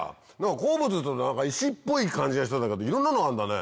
鉱物っていうと石っぽい感じがしてたけどいろんなのあるんだね。